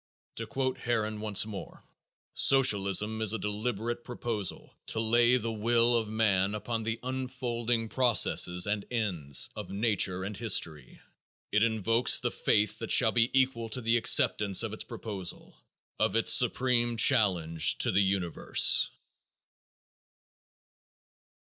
To quote Herron once more: "Socialism is a deliberate proposal to lay the will of man upon the unfolding processes and ends of nature and history. It invokes the faith that shall be equal to the acceptance of its proposal of its supreme challenge to the universe."